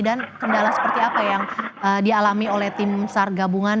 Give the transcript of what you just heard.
dan kendala seperti apa yang dialami oleh tim sar gabungan